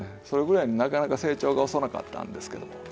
それぐらいなかなか成長が遅かったんですけども。